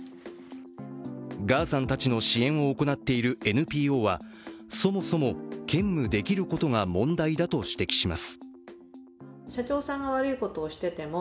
ガーさんたちの支援を行っているＮＰＯは、そもそも兼務できることが問題だと指摘します。